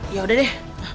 ya udah deh